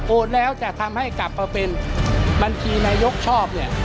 แล้วจะทำให้กลับมาเป็นบัญชีนายกชอบเนี่ย